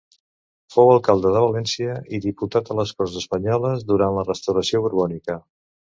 Fou alcalde de València i diputat a les Corts Espanyoles durant la restauració borbònica.